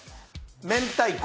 「明太子」！